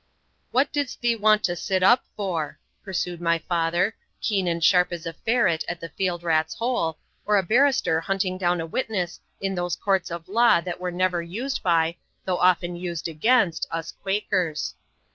"What didst thee want to sit up for?" pursued my father, keen and sharp as a ferret at a field rat's hole, or a barrister hunting a witness in those courts of law that were never used by, though often used against, us Quakers.